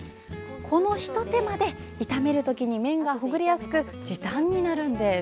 このひと手間で炒めるときに麺がほぐれやすく時短になるんです。